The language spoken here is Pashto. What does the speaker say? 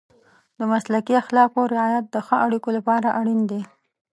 د مسلکي اخلاقو رعایت د ښه اړیکو لپاره اړین دی.